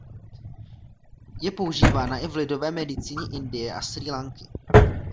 Je používána i v lidové medicíně Indie a Srí Lanky.